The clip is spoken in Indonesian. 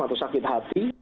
atau sakit hati